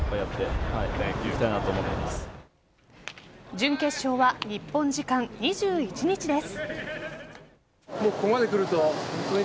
準決勝は日本時間２１日です。